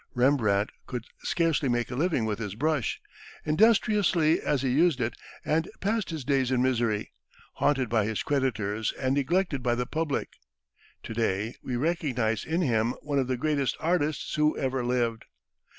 Rembrandt could scarcely make a living with his brush, industriously as he used it, and passed his days in misery, haunted by his creditors and neglected by the public; to day we recognize in him one of the greatest artists who ever lived.